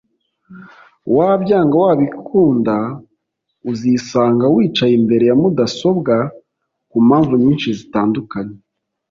Wabyanga wabikunda uzisanga wicaye imbere ya mudasobwa ku mpamvu nyinshi zitandukanye